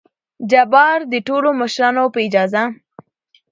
جبار : دې ټولو مشرانو په اجازه!